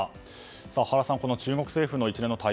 原さん、中国政府の一連の対応